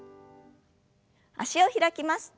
脚を開きます。